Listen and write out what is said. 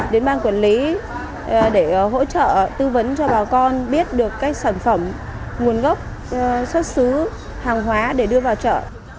đến ban quản lý để hỗ trợ tư vấn cho bà con biết được các sản phẩm nguồn gốc xuất xứ hàng hóa để đưa vào chợ